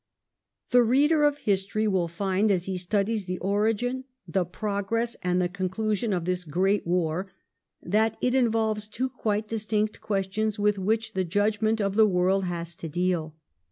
The reader of history will find as he studies the origin, the progress, and the conclusion of this great war, that it involves two quite distinct questions with which the judgment of the world has to deal.